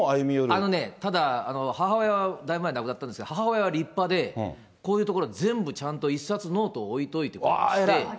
あのね、ただ、母親はだいぶ前に亡くなったんですが、母親は立派で、こういうところは全部ちゃんと一冊ノートを置いといてくれまして。